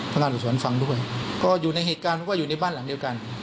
งานอุสวนฟังด้วยก็อยู่ในเหตุการณ์เพราะว่าอยู่ในบ้านหลังเดียวกัน